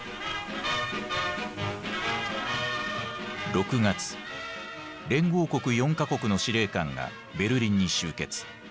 ６月連合国４か国の司令官がベルリンに集結。